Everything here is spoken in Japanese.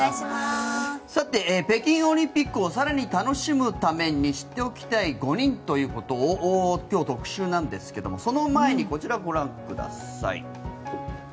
さて、北京オリンピックを更に楽しむために知っておきたい５人ということを今日、特集なんですがその前にこちらご覧ください。